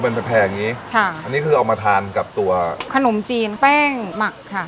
เป็นแพงอย่างนี้ค่ะอันนี้คือเอามาทานกับตัวขนมจีนแป้งหมักค่ะ